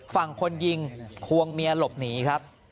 ฝั่งคนยิงควงเมียหลบหนีครับ